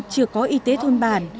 chưa có y tế thôn bản